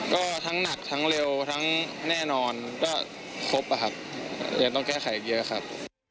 ก็ทั้งหนักทั้งเร็วทั้งแน่นอนก็ครบอะครับเรียนต้องแก้ไขเยอะครับ